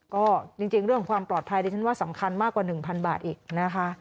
ก็จริงเรื่องของความปลอดภัยดิฉันว่าสำคัญมากกว่า๑๐๐บาทอีกนะคะ